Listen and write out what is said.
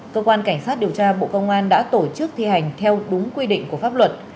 cơ quan cảnh sát điều tra bộ công an đã tổ chức thi hành theo đúng quy định của pháp luật